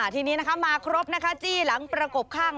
ทีนี้นะคะมาครบนะคะจี้หลังประกบข้าง